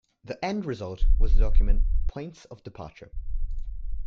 The end result was the document "Points of Departure".